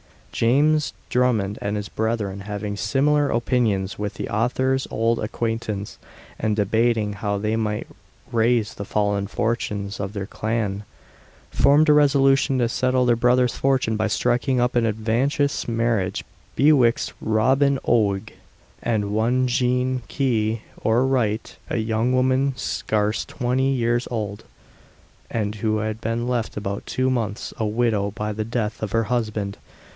James Drummond and his brethren having similar opinions with the author's old acquaintance, and debating how they might raise the fallen fortunes of their clan, formed a resolution to settle their brother's fortune by striking up an advantageous marriage betwixt Robin Oig and one Jean Key, or Wright, a young woman scarce twenty years old, and who had been left about two months a widow by the death of her husband.